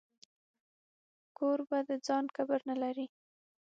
کوربه د ځان کبر نه لري.